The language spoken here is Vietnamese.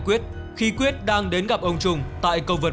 quyết khi quyết đang đến gặp ông trung tại cầu vượt